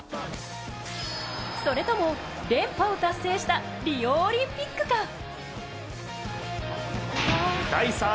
それとも連覇を達成したリオオリンピックか。